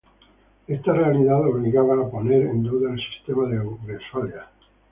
Esta realidad obligaba a poner en duda el sistema de Westfalia.